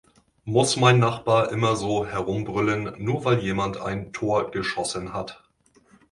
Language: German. Muss mein Nachbar immer so herumbrüllen, nur weil jemand ein Tor geschossen hat?